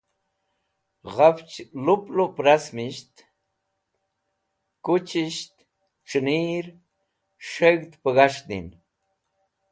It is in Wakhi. Ghafch lup lup rasmisht, kuchisht, c̃henir, s̃heg̃hd peg̃has̃hdin.